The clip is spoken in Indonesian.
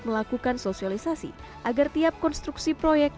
melakukan sosialisasi agar tiap konstruksi proyek